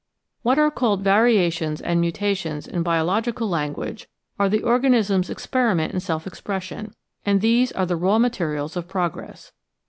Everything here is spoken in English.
What are called variations and mutations in biological lan guage are the organism's experiment in self expression, and these are the raw materials of progress.